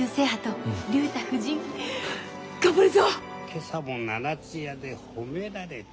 「今朝も七つ屋で褒められた」。